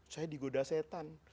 saya digoda setan